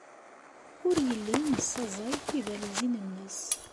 Ur yelli yessaẓay tibalizin-nnes.